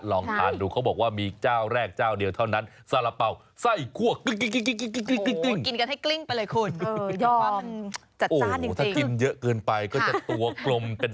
ลองทานดูเขาบอกว่ามีเจ้าแรกเจ้าเดียวเท่านั้น